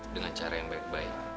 dengan cara yang baik baik